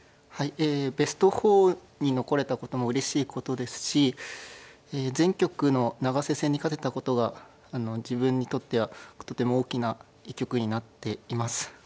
ええベスト４に残れたこともうれしいことですし前局の永瀬戦に勝てたことが自分にとってはとても大きな一局になっています。